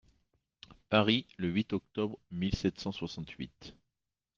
Paris, le huit octobre mille sept cent soixante-huit.